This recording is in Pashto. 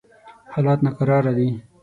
حالات ناکراره دي.